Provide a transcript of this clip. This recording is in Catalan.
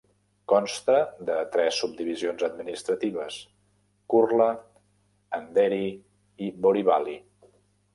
Consta de tres subdivisions administratives: Kurla, Andheri i Borivali.